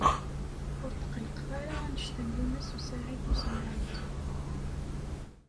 Ur tqellqeɣ ara anect n Yunes u Saɛid u Smaɛil.